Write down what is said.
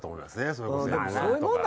それこそＭ−１とか。